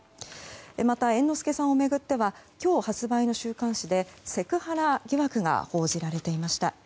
また、猿之助さんを巡っては今日発売の週刊誌でセクハラ疑惑が報じられていました。